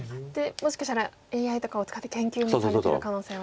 もしかしたらＡＩとかを使って研究もされてる可能性は高い。